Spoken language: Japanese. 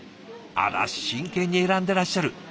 あら真剣に選んでらっしゃる。